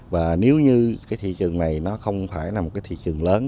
và nếu như thị trường này không phải là một thị trường lớn